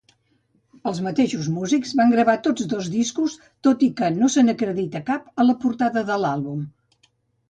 Els mateixos músics van gravar tots dos discos, tot i que no se n'acredita cap a la portada de l'àlbum.